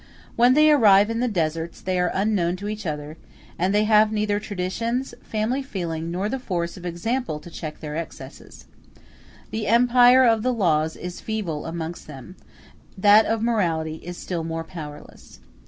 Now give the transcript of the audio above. When they arrive in the deserts they are unknown to each other, and they have neither traditions, family feeling, nor the force of example to check their excesses. The empire of the laws is feeble amongst them; that of morality is still more powerless.